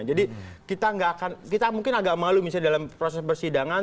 jadi kita mungkin agak malu misalnya dalam proses persidangan